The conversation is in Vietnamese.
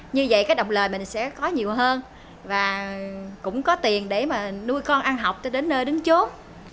như vậy cái đồng lề mình sẽ có nhiều hơn và cũng có tiền để mà nuôi con ăn học tới nơi đứng chốn